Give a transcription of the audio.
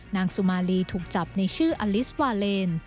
นางสุมาลีถูกจับในชื่ออลิสวาเลน